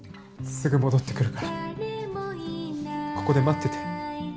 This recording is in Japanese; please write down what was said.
すぐ戻ってくるからここで待ってて。